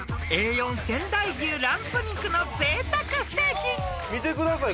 ［Ａ４仙台牛ランプ肉のぜいたくステーキ］見てください